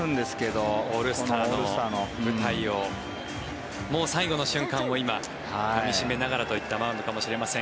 このオールスターの舞台をもう最後の瞬間を今、かみ締めながらといった場面かもしれません。